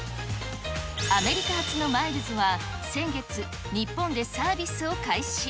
アメリカ発のマイルズは、先月、日本でサービスを開始。